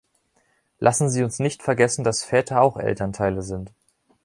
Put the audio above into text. Lassen Sie uns nicht vergessen, dass Väter auch Elternteile sind.